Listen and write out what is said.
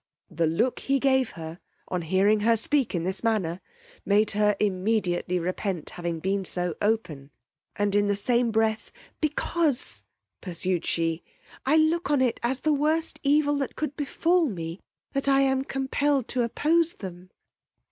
The look he gave her on hearing her speak in this manner, made her immediately repent having been so open; and in the same breath, because; pursued she, I look on it as the worst evil could befal me that I am compelled to oppose them.